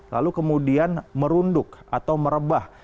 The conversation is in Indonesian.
lalu kemudian merunduk atau merebah